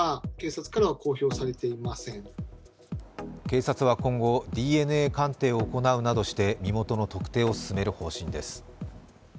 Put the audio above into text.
警察は今後、ＤＮＡ鑑定を行うなどして身元の特定を進める方針です。